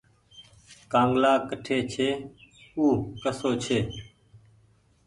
ڪآنگلآ ڪٺي ڇي ۔او ڪسو ڇي۔